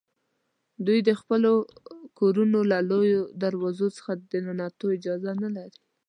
دوی د خپلو کورونو له لویو دروازو څخه د ننوتو اجازه نه لري.